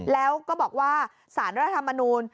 แล้วก็บอกว่าสารรัฐธรรมนูล